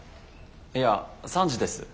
いや３時です。